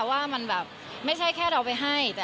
ว่ามันแบบไม่ใช่แค่เราไปให้